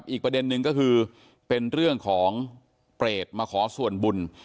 อีกประเด็นนึงก็คือเป็นเรื่องของเปรตมาขอส่วนบุญ